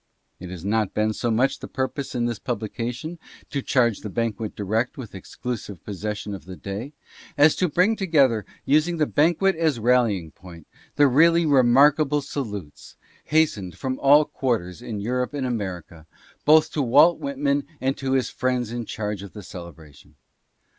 It has not been so much the purpose in this pub lication to charge the banquet direct with exclusive possession of the day, as to bring together, using the banquet as rallying point, the really remarkable salutes, hastened from all quarters, (7) 8 "RECORDERS AGES HENCE." in Europe and America, both to Walt Whitman and to his friends in charge of the celebration.